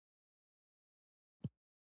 د منفي کردار په ذريعه د صمد په نوم